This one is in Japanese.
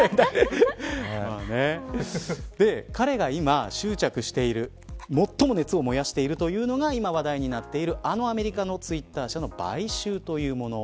彼が今執着している最も熱を燃やしているというのが今、話題になっているアメリカのツイッター社の買収というもの。